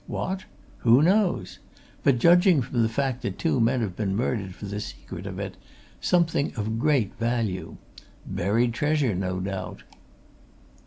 What? Who knows? But judging from the fact that two men have been murdered for the secret of it something of great value. Buried treasure, no doubt."